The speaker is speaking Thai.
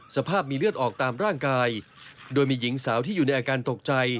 สภาพมีเลือดออกตามร่างกายโดยมีหญิงสาวที่อยู่ในอาการตกใจ